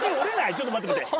ちょっと待って待って。